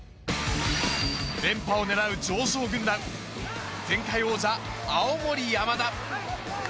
連覇を狙う常勝軍団、前回王者、青森山田。